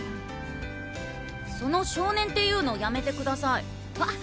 その「少年」っていうのやめてくださいあっ！